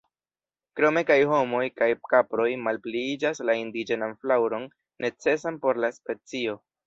Krome kaj homoj kaj kaproj malpliiĝas la indiĝenan flaŭron necesan por la specio.